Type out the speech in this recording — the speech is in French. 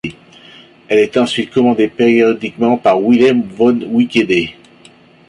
Elle est ensuite commandée périodiquement par Wilhelm von Wickede.